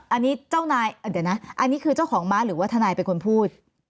อันนี้เจ้านายเดี๋ยวนะอันนี้คือเจ้าของม้าหรือว่าทนายเป็นคนพูด